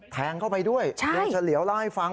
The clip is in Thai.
แทงเข้าไปด้วยเดี๋ยวจะเหลียวล่าให้ฟัง